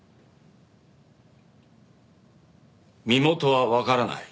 身元はわからない。